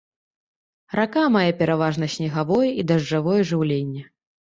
Рака мае пераважна снегавое і дажджавое жыўленне.